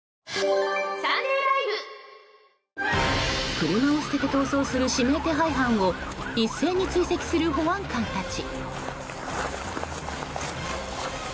車を捨てて逃走する指名手配犯を一斉に追跡する保安官たち。